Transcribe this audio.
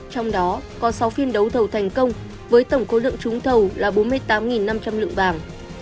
trong đó có sáu phiên đấu thầu thành công với tổng khối lượng trúng thầu là bốn mươi tám năm trăm linh lượng vàng